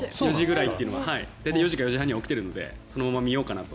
大体４時か４時半には起きているのでそのまま見ようかなと。